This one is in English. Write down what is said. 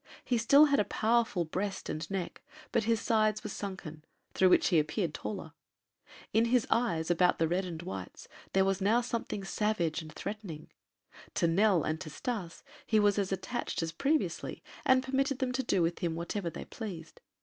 He still had a powerful breast and neck, but his sides were sunken, through which he appeared taller. In his eyes, about the reddened whites, there was now something savage and threatening. To Nell and to Stas he was as attached as previously and permitted them to do with him whatever they pleased.